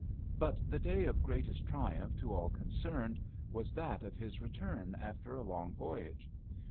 But the day of greatest triumph to all concerned was that of his return after a long voyage.